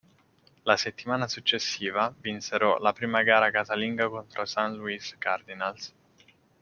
La settimana successiva vinsero la prima gara casalinga contro i St. Louis Cardinals.